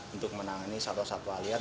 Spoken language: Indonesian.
untuk menangani satwa satwa liar